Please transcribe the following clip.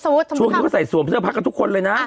สมมุติเขาก็ใส่สวมเสื้อพลักษณ์กับทุกคนเลยนะ